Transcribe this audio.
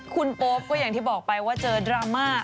คุณโป๊ปก็อย่างที่บอกไปว่าเจอดราม่า